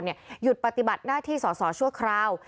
หยุดปฏิบัติหน้าที่สอสอชั่วคราว